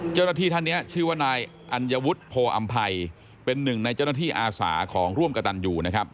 เจ้าหน้าที่ท่านนี้ชื่อว่านายอัญวุฒิโพออำภัยเป็นหนึ่งในเจ้าหน้าที่อาสาของร่วมกระตันอยู่นะครับ